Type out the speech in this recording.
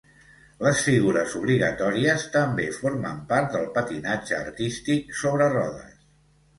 Les figures obligatòries també formen part del patinatge artístic sobre rodes.